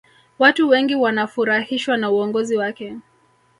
watu wengi wanafurahishwa na uongozi wake